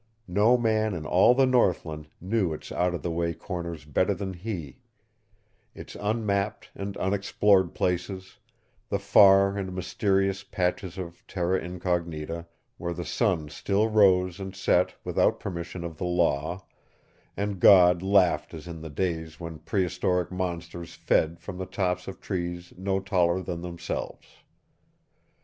No man in all the Northland knew its out of the way corners better than he its unmapped and unexplored places, the far and mysterious patches of terra incognita, where the sun still rose and set without permission of the Law, and God laughed as in the days when prehistoric monsters fed from the tops of trees no taller than themselves.